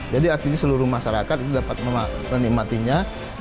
jadi akhirnya seluruh masyarakat dapat menikmatinya